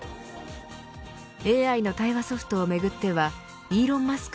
ＡＩの対話ソフトをめぐってはイーロン・マスク